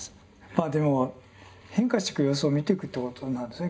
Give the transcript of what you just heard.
まあでも変化していく様子を見ていくっていうことなんですね。